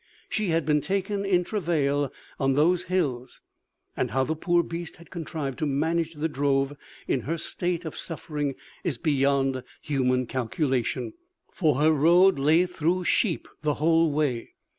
She had been taken in travail on those hills; and how the poor beast had contrived to manage the drove in her state of suffering is beyond human calculation, for her road lay through sheep the whole way.